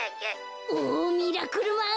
おミラクルマン。